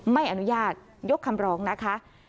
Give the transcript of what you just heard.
ไม่อนุญาตยกคำร้องนะคะ